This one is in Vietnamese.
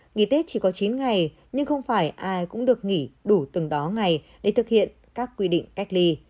nghỉ tết chỉ có chín ngày nhưng không phải ai cũng được nghỉ đủ từng đó ngày để thực hiện các quy định cách ly